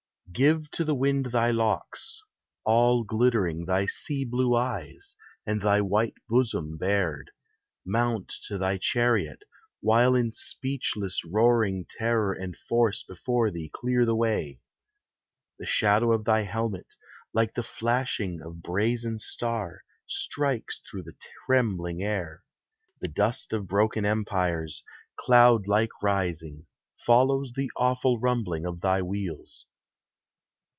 Give to the wind thy locks ; all glittering Thy sea blue eyes, and thy white bosom bared, Mount to thy chariot, while in speechless roaring Terror and Force before thee clear the way ! The shadow of thy helmet, like the flashing Of brazen star, strikes through the trembling air. The dust of broken empires, cloud like rising, Follows the awful rumbling of thy wheels.